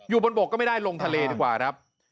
อยู่บนบกก็ไม่ได้ลงทะเลดีกว่าครับ